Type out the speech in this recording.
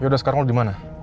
yaudah sekarang lo dimana